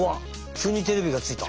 きゅうにテレビがついた。